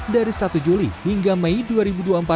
dari satu juli hingga bulan depan